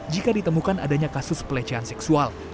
jika ditemukan adanya kasus pelecehan seksual